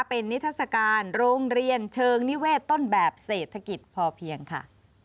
เป็นนิทัศกาลโรงเรียนเชิงนิเวศต้นแบบเศรษฐกิจพอเพียงค่ะ